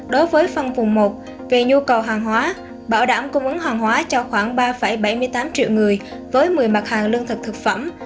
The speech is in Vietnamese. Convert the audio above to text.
đối với phân vùng một về nhu cầu hàng hóa bảo đảm cung ứng hàng hóa cho khoảng ba bảy mươi tám triệu người với một mươi mặt hàng lương thực thực phẩm